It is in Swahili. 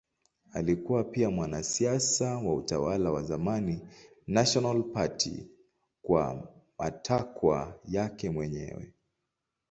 Alikuwa pia mwanasiasa wa utawala wa zamani National Party kwa matakwa yake mwenyewe.